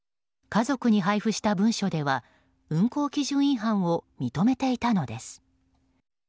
家族に配布した文書では運航基準違反を認めていたのです。